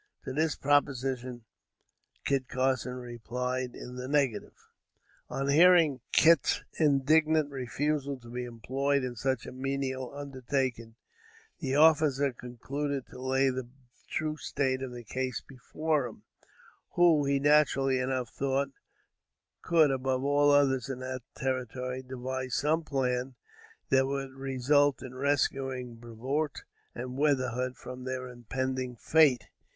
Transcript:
To this proposition Kit Carson replied in the negative. On hearing Kit's indignant refusal to be employed in such a menial undertaking, the officer concluded to lay the true state of the case before him, who, he naturally enough thought, could, above all others in that territory, devise some plan that would result in rescuing Brevoort and Weatherhead from their impending fate.